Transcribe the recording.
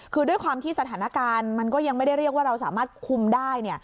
คือด้วยความที่สถานการณ์มันก็ยังไม่ได้เรียกว่าเราสามารถคุมได้